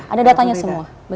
ada datanya semua